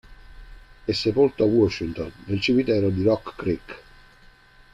È sepolto a Washington nel Cimitero di Rock Creek.